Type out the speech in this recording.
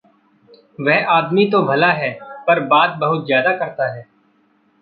वह आदमी तो भला है, पर बात बहुत ज़्यादा करता है।